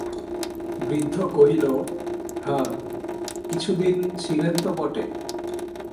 বৃদ্ধ কহিল, হাঁ, কিছুদিন ছিলেন তো বটে।